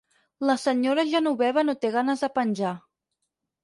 La senyora Genoveva no té ganes de penjar.